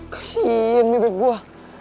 kesian bebet gue